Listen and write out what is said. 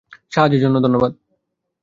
সাহায্যের জন্য ধন্যবাদ।